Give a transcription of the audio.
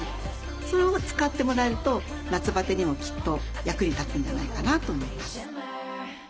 それを使ってもらえると夏バテにもきっと役に立つんじゃないかなと思います。